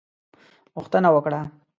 غوښتنه وکړه.